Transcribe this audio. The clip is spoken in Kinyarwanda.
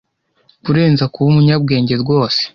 kurenza kuba umunyabwenge rwose